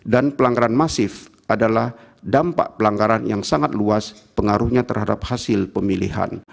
dan pelanggaran masif adalah dampak pelanggaran yang sangat luas pengaruhnya terhadap hasil pemilihan